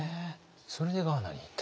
それでガーナに行った。